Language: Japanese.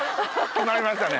決まりましたね。